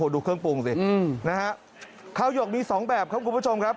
ดูเครื่องปรุงสินะฮะข้าวหยกมีสองแบบครับคุณผู้ชมครับ